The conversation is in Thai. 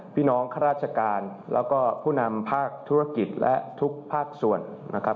พี่น้องข้าราชการแล้วก็ผู้นำภาคธุรกิจและทุกภาคส่วนนะครับ